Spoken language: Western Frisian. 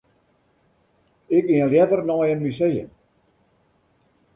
Ik gean leaver nei in museum.